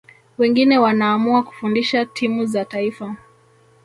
wengine wanaamua kufundisha timu za taifa